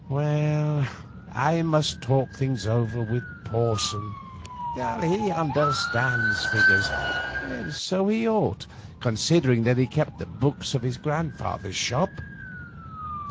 Well, I must talk things over with Porson. He understands figures, and so he ought, considering that he kept the books in his grandfather's shop."